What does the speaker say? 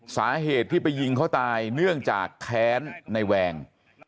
สาเหตุที่ไปยิงเขาตายเนื่องจากแค้นในแวง